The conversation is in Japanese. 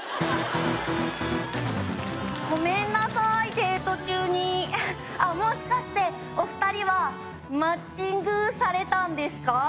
デート中にもしかしてお二人はマッチングされたんですか？